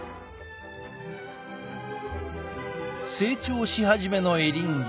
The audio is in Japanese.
成長し始めのエリンギ。